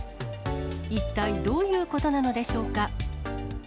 一体どういうことなのでしょうか。